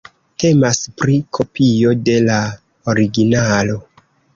Temas pri kopio de la originalo.